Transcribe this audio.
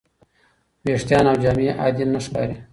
ویښتان او جامې عادي نه ښکاري.